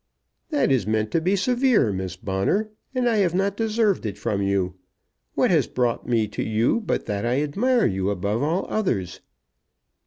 "That is meant to be severe, Miss Bonner, and I have not deserved it from you. What has brought me to you but that I admire you above all others?"